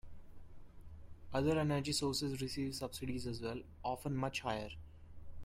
Other energy sources receive subsidies as well, often much higher.